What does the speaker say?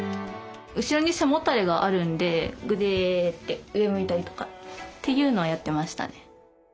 後ろに背もたれがあるんでぐでって上向いたりとかっていうのをやってましたね。